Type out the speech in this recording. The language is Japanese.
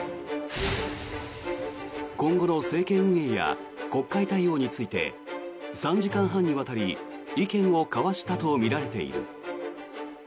今後の政権運営や国会対応について３時間半にわたり意見を交わしたとみられている。